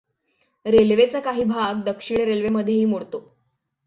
रेल्वेचा काही भाग दक्षिण रेल्वे मध्येही मोडतो.